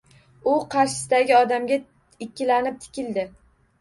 U qarshisidagi odamga ikkilanib tikildi